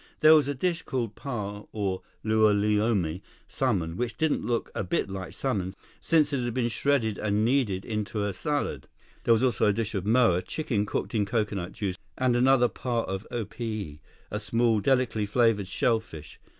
There was a dish, called pa, of lomilomi—salmon, which didn't look a bit like salmon, since it had been shredded and kneaded into a salad. There was also a dish of moa, chicken cooked in coconut juice, and another pa of opihi, a small, delicately flavored shell fish.